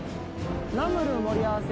ナムル盛り合わせ。